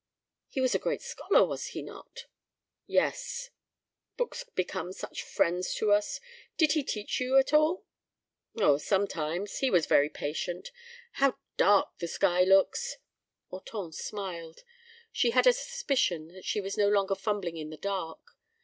"He was a great scholar, was he not?" "Yes." "Books become such friends to us! Did he teach you—at all?" "Oh, sometimes. He was very patient. How dark the sky looks!" Hortense smiled. She had a suspicion that she was no longer fumbling in the dark.